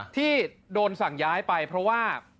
ที่โดนสั่งย้ายไปเพราะว่า